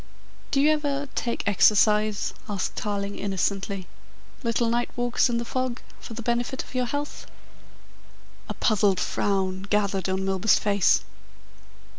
"Do you ever take exercise?" asked Tarling innocently. "Little night walks in the fog for the benefit of your health?" A puzzled frown gathered on Milburgh's face.